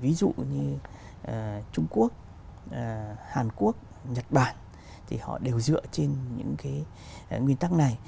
ví dụ như trung quốc hàn quốc nhật bản thì họ đều dựa trên những cái nguyên tắc này